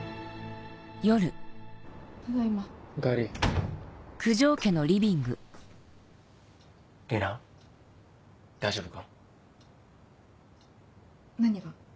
・ただいま・・おかえり・里奈大丈夫か？何が？